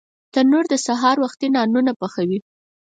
تنور د سهار وختي نانونه پخوي